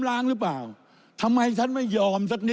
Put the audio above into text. แต่ผมอยู่ว่าผมมาทำให้คุณแล้วผมไม่เอา